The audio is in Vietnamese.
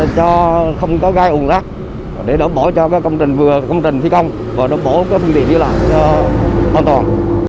cho không có gai ủng rắc để đổ bỏ cho công trình vừa công trình thi công và đổ bỏ phương tiện đi làm cho an toàn